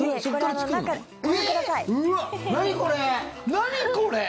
何これ？